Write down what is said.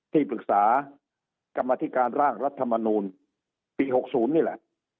ที่ปรึกษากรรมธิการร่างรัฐมนูลปี๖๐นี่แหละ